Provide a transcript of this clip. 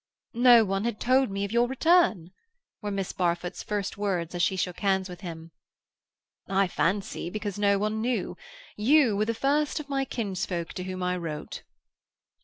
"No one had told me of your return," were Miss Barfoot's first words as she shook hands with him. "I fancy because no one knew. You were the first of my kinsfolk to whom I wrote."